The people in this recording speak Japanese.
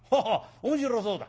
面白そうだ。